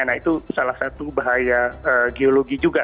nah itu salah satu bahaya geologi juga